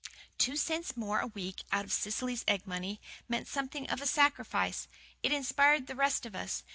Two cents more a week out of Cecily's egg money, meant something of a sacrifice. It inspired the rest of us.